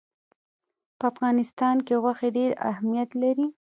په افغانستان کې غوښې ډېر اهمیت لري.